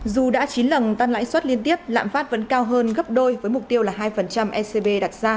dù đã chín lần tăng lãi suất liên tiếp lạm phát vẫn cao hơn gấp đôi với mục tiêu là hai ecb đặt ra